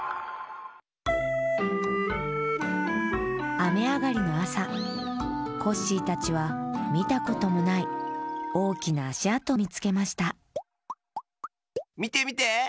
あめあがりのあさコッシーたちはみたこともないおおきなあしあとをみつけましたみてみて！